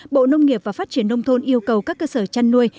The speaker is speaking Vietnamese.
bộ nông nghiệp và phát triển nông thôn yêu cầu các cơ sở chăn nuôi